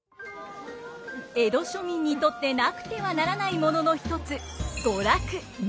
江戸庶民にとってなくてはならないものの一つ娯楽。